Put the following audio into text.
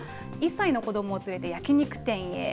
１歳の子どもを連れて焼き肉店へ。